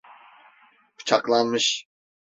Bıçaklanmış.